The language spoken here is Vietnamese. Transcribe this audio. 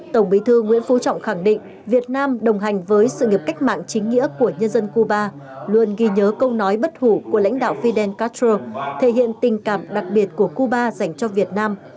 tổng bí thư nguyễn phú trọng khẳng định việt nam đồng hành với sự nghiệp cách mạng chính nghĩa của nhân dân cuba luôn ghi nhớ câu nói bất hủ của lãnh đạo fidel castro thể hiện tình cảm đặc biệt của cuba dành cho việt nam